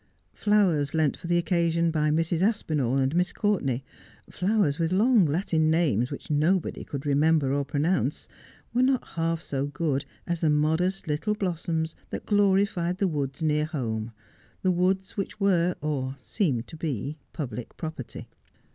Flowers lent for the occasion by Mrs. Aspinall and Miss Courtenay, flowers with long Latiu names which nobody could remember or pronounce, wero not half so good as the modest little blossoms that glorified the woods near home, the woods which were — or seemed to be —• public property.